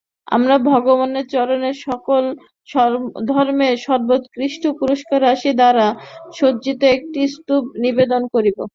আমরা ভগবানের চরণে সকল ধর্মের সর্বোৎকৃষ্ট পুষ্পরাশি দ্বারা সজ্জিত একটি স্তবক নিবেদন করিব।